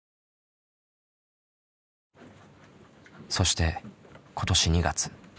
そして今年２月。